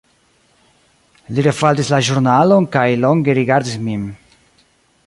Li refaldis la ĵurnalon kaj longe rigardis min.